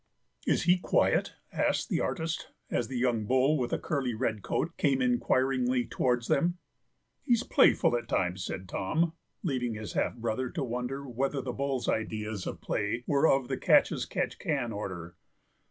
"Is he quiet?" asked the artist, as a young bull with a curly red coat came inquiringly towards them. "He's playful at times," said Tom, leaving his half brother to wonder whether the bull's ideas of play were of the catch as catch can order.